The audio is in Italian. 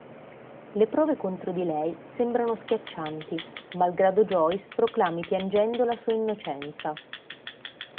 Le prove contro di lei sembrano schiaccianti, malgrado Joyce proclami piangendo la sua innocenza.